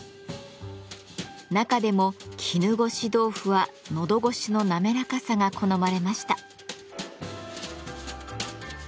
中でも「絹ごし豆腐」はのど越しのなめらかさが好まれました。